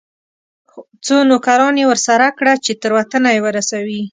څو نوکران یې ورسره کړه چې تر وطنه یې ورسوي.